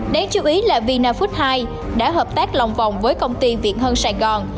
đáng chú ý là vina food hai đã hợp tác lòng vòng với công ty viện hân sài gòn